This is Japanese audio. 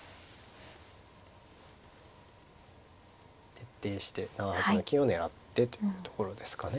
徹底して７八の金を狙ってというところですかね。